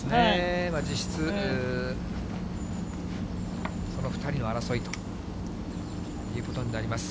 実質、その２人の争いということになります。